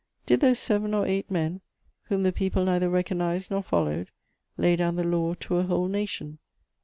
Did those seven or eight men, whom the people neither recognised nor followed, lay down the law to a whole nation?